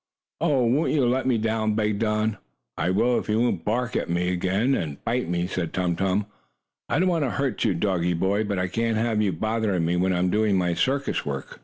"Oh, won't you let me down?" begged Don. "I will, if you won't bark at me again, and bite me," said Tum Tum. "I don't want to hurt you, doggie boy, but I can't have you bothering me, when I'm doing my circus work."